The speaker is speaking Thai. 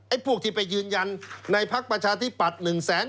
ไอ้พวกที่ไปยืนยันในภาคประชาธิบัตร